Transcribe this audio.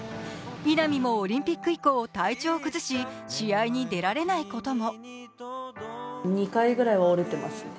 稲見もオリンピック以降、体調を崩し、試合に出られないことも。